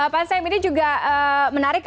pak saim ini juga menarik